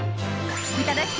いただき！